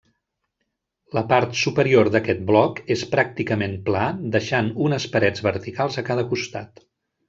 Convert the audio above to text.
La part superior d'aquest bloc és pràcticament pla deixant unes parets verticals a cada costat.